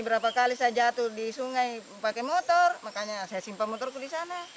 berapa kali saya jatuh di sungai pakai motor makanya saya simpang motorku di sana